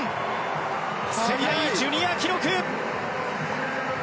世界ジュニア記録！